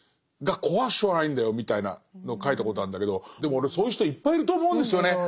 が怖くてしょうがないんだよみたいなのを書いたことあるんだけどでも俺そういう人いっぱいいると思うんですよね。